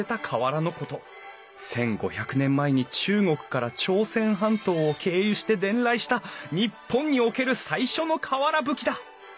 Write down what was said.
１，５００年前に中国から朝鮮半島を経由して伝来した日本における最初の瓦葺きだ！